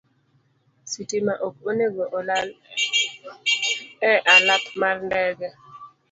Sitima ok onego olal e alap mar ndege.